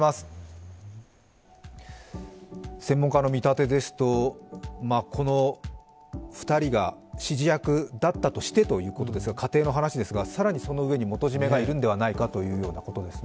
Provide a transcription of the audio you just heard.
専門家の見立てですとこの２人が指示役だったとしてということですが、仮定の話ですが、更にその上に元締めがいるんではないかという話ですね。